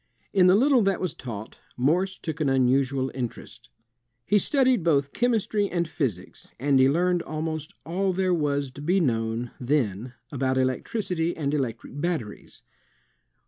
In the little that was taught, Morse took an imusual interest. He studied both chemistry and physics, and he learned almost all there was to be known then about electricity and electric batteries.